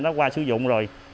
nó qua sử dụng rồi